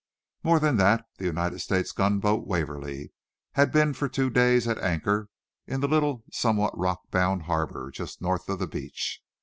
More than that, the United States gunboat, "Waverly," had been for two days at anchor in the little, somewhat rockbound harbor just north of the beach.